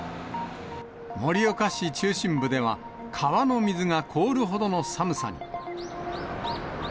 盛岡市中心部では、川の水が凍るほどの寒さに。